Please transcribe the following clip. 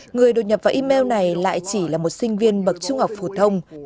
người đột nhập vào email này lại chỉ là một sinh viên bậc trung học phổ thông